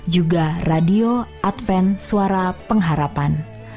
juga radio adven suara pengharapan